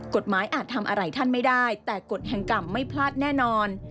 อาจทำอะไรท่านไม่ได้แต่กฎแห่งกรรมไม่พลาดแน่นอน